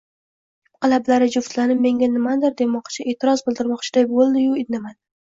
Yupqa lablari juftlanib menga nimadir demoqchi, eʼtiroz bildirmoqchiday boʻldi-yu, indamadi.